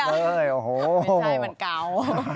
ไม่ใช่มันเก่า